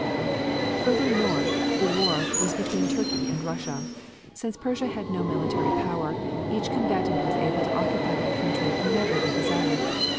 Farther north the war was between Turkey and Russia. Since Persia had no military power, each combatant was able to occupy that country whenever they desired.